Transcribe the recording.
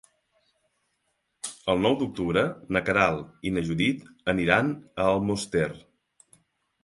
El nou d'octubre na Queralt i na Judit aniran a Almoster.